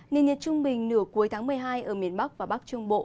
nền nhiệt trung bình nửa cuối tháng một mươi hai ở miền bắc và bắc trung bộ